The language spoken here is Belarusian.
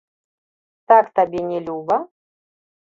Так табе не люба?